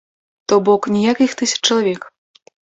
То бок, ніякіх тысяч чалавек.